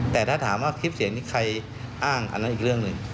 แต่ถ้าถามว่าคลิปเสียงนี้ใครอ้างอันนั้นอีกเรื่องหนึ่ง